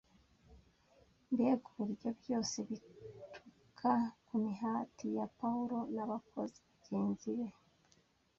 mbega uburyo byose bituruka ku mihati ya Pawulo n’abakozi bagenzi be